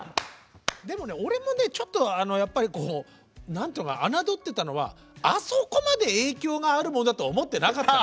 でもね俺もねちょっとやっぱりこう侮ってたのはあそこまで影響があるものだとは思ってなかったの。